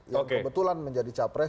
yang kebetulan menjadi capres